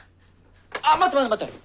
あっ待って待って待って。